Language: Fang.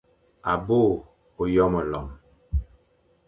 À bôe ôyo melom,